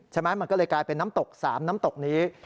ใช่ไหมมันก็เลยกลายเป็นน้ำตก๓น้ำตกนี้